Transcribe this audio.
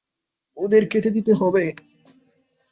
ওদের খেতে দিতে হবে।